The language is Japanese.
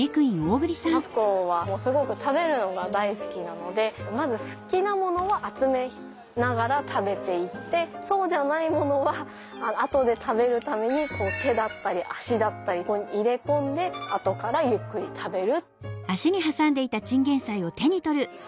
マツコはすごく食べるのが大好きなのでまず好きなものは集めながら食べていってそうじゃないものは後で食べるために手だったり足だったり入れ込んで後からゆっくり食べる。